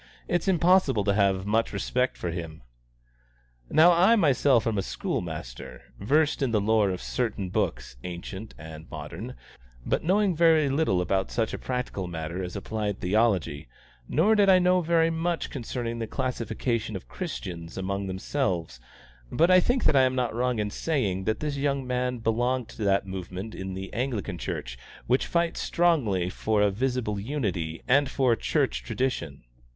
It's impossible to have much respect for him." Now I myself am a school master, versed in the lore of certain books ancient and modern, but knowing very little about such a practical matter as applied theology; nor did I know very much then concerning the classification of Christians among themselves: but I think that I am not wrong in saying that this young man belonged to that movement in the Anglican Church which fights strongly for a visible unity and for Church tradition.